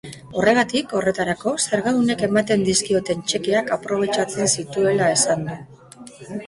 Horregatik, horretarako, zergadunek ematen zizkioten txekeak aprobetxatzen zituela esan du.